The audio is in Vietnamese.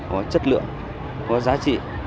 có chất lượng có giá trị